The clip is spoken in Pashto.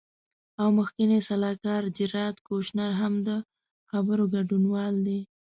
او مخکینی سلاکار جیراد کوشنر هم د خبرو ګډونوال دی.